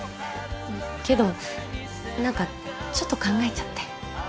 けど何かちょっと考えちゃって。